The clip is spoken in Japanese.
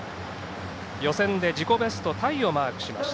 予選で自己ベストタイをマーク。